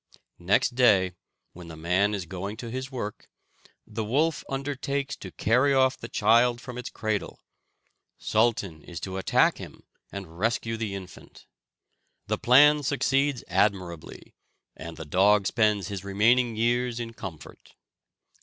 Next day, when the man is going to his work, the wolf undertakes to carry off the child from its cradle. Sultan is to attack him and rescue the infant. The plan succeeds admirably, and the dog spends his remaining years in comfort.